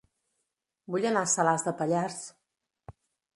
Vull anar a Salàs de Pallars